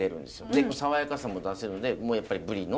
で爽やかさも出せるのでやっぱりぶりの。